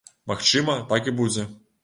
Магчыма, так і будзе.